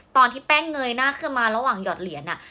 ตอนที่แป้งเงยหน้าขึ้นมาระหว่างหยอดเหรียญ